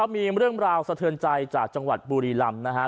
มีเรื่องราวสะเทือนใจจากจังหวัดบุรีลำนะฮะ